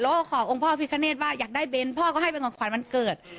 แล้วก็ขอองค์พ่อพิคเนธว่าอยากได้เบนพ่อก็ให้เป็นของขวัญวันเกิด